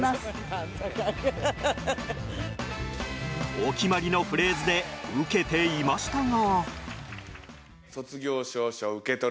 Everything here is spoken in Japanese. お決まりのフレーズでウケていましたが。